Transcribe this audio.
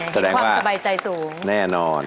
แสดงว่าแน่นอนแสดงว่านี่ความสบายใจสูง